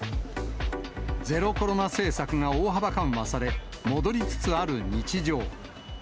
ゼロコロナ政策が大幅緩和され、戻りつつある日常。